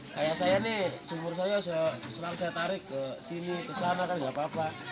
kayak saya nih sumur saya diserang saya tarik ke sini ke sana kan nggak apa apa